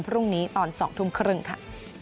พรุ่งนี้ตอน๒ทุ่มครึ่งค่ะ